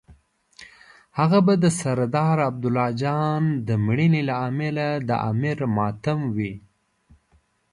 هغه به د سردار عبدالله جان د مړینې له امله د امیر ماتم وي.